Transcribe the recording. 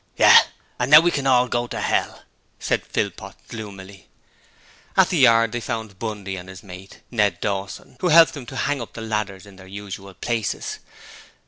'Yes, and now we can all go to 'ell,' said Philpot, gloomily. At the yard they found Bundy and his mate, Ned Dawson, who helped them to hang up the ladders in their usual places.